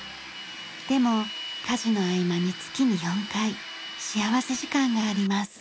でも家事の合間に月に４回幸福時間があります。